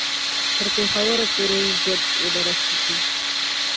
تر پېښوره پوري ژوندي ونه رسیږي.